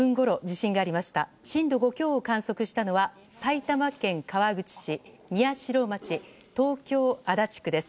震度５強を観測したのは埼玉県川口市、宮代町東京・足立区です。